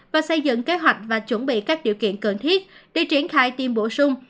và xây dựng kế hoạch và chuẩn bị các điều kiện cần thiết để triển khai tiêm bổ sung